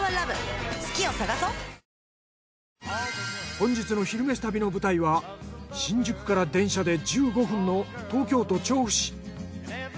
本日の「昼めし旅」の舞台は新宿から電車で１５分の東京都調布市。